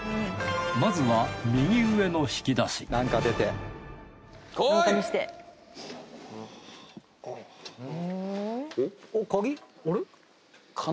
まずは右上の引き出しこいっ！